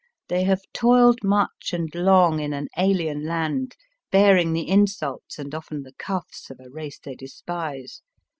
They have toiled much and long in an alien land, bearing the insults and often the cuflfs of a race they despise.